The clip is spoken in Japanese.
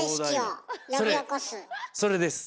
それです！